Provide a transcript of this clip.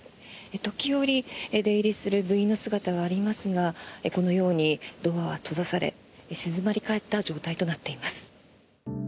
時折、出入りする部員の姿がありますがこのようにドアは閉ざされ静まり返った状態となっています。